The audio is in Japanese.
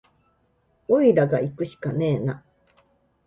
おいらがいくしかねえな